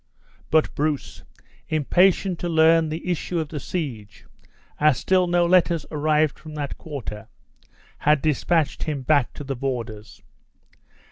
But Bruce, impatient to learn the issue of the siege (as still no letters arrived from that quarter), had dispatched him back to the borders.